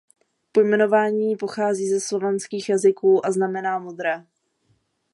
Pojmenování pochází ze slovanských jazyků a znamená modré.